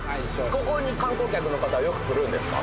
ここに観光客の方はよく来るんですか？